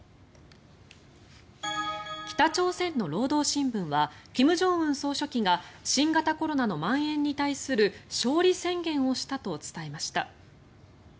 北朝鮮の労働新聞は金正恩総書記が新型コロナのまん延に対する勝利宣言をしたと伝えました。